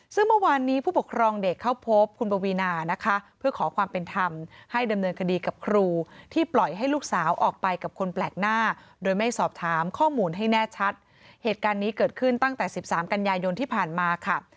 ซึ่งเมื่อวานนี้ผู้ปกครองเด็กเข้าพบคุณปวีนานะคะ